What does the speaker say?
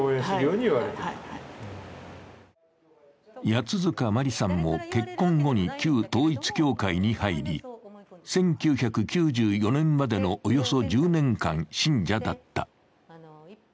八塚真理さんも結婚後に旧統一教会に入り１９９４年までのおよそ１０年間、信者だった。